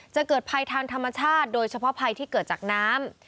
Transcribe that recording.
จะเกิดภัยทางธรรมชาติโดยเฉพาะภัยที่เกิดจากน้ำ